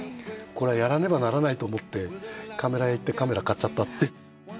これはやらねばならないと思ってカメラ屋行ってカメラ買っちゃったって。